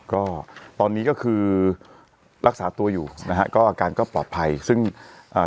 ก็ตอนนี้ก็คือรักษาตัวอยู่นะฮะก็อาการก็ปลอดภัยซึ่งอ่า